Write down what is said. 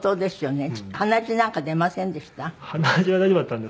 鼻血なんか出ませんでした？